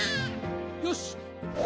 よし。